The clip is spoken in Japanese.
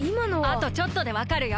あとちょっとでわかるよ。